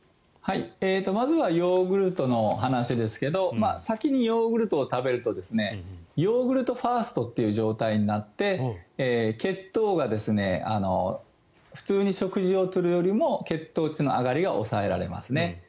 まずはヨーグルトの話ですけど先にヨーグルトを食べるとヨーグルトファーストっていう状態になって血糖が普通に食事を取るよりも血糖値の上がりが抑えられますね。